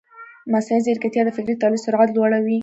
مصنوعي ځیرکتیا د فکري تولید سرعت لوړوي.